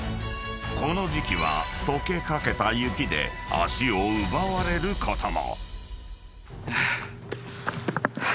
［この時季は解けかけた雪で足を奪われることも］